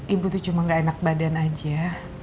ibu tuh cuma gak enak badan aja